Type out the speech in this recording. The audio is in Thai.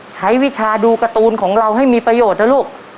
วิชาดูการ์ตูนของเราให้มีประโยชน์นะลูก